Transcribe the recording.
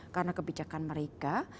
karena kebijakan mereka